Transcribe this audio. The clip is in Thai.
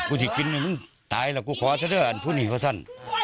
กูสิกินตายแล้วกูขอเสียด้วยอันพุนิธภาษณ์